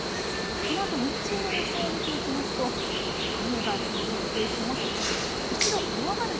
このあと日中の予想を見ていきますと雨が続いていきます。